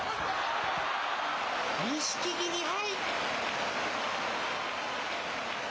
錦木２敗。